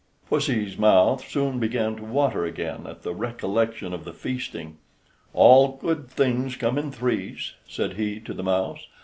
Pussy's mouth soon began to water again at the recollection of the feasting. "All good things come in threes," said he to the mouse.